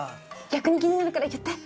逆に気になるから言って。